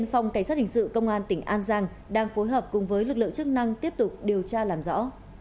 phòng cảnh sát hình sự công an tỉnh an giang đang phối hợp cùng với lực lượng chức năng tiếp tục điều tra làm rõ